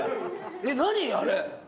何あれ？